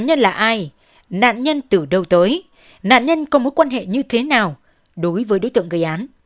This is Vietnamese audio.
nạn nhân từ đâu tới nạn nhân có mối quan hệ như thế nào đối với đối tượng gây án